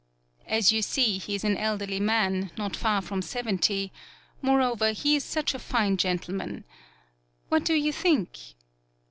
As you see, he is an elderly man, not far from seventy ; moreover, he is such a fine gen tleman. What do you think?"